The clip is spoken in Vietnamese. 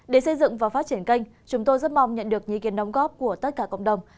để xây dựng và phát triển kênh chúng tôi rất mong nhận được ý kiến đóng góp của tất cả cộng đồng